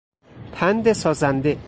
پند سازنده